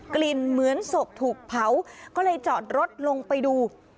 กลิ่นเหมือนศพถูกเผาก็เลยจอดรถลงไปดู